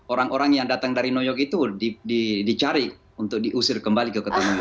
orang orang yang datang dari new york itu dicari untuk diusir kembali ke kota new yor